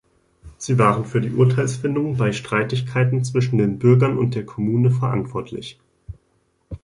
Sie waren für die Urteilsfindung bei Streitigkeiten zwischen den Bürgern und der Kommune verantwortlich.